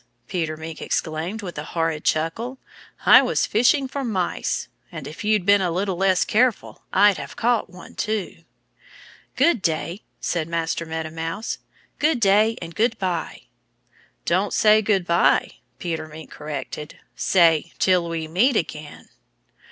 Peter Mink exclaimed with a horrid chuckle. "I was fishing for mice. And if you'd been a little less careful I'd have caught one, too." "Good day!" said Master Meadow Mouse. "Good day and good by!" "Don't say good by!" Peter Mink corrected. "Say, 'Till we meet again!'"